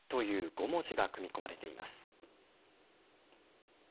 ５文字が組み込まれています。